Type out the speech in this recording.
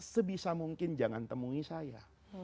sebisa mungkin jangan temui saya